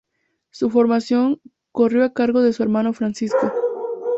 Su formación corrió a cargo de su hermano Francisco.